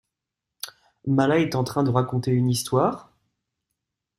Mala est en train de raconter une histoire ?